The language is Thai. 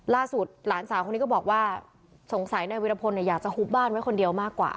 หลานสาวคนนี้ก็บอกว่าสงสัยนายวิรพลอยากจะหุบบ้านไว้คนเดียวมากกว่า